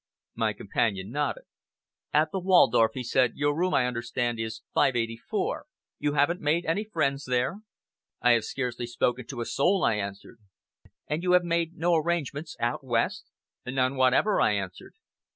My companion nodded. "At the Waldorf," he said, "your room, I understand, is 584? You haven't made any friends there?" "I have scarcely spoken to a soul," I answered. "And you have made no arrangements out West?" "None whatever," I answered.